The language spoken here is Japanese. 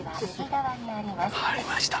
ありました。